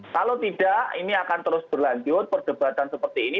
kalau tidak ini akan terus berlanjut perdebatan seperti ini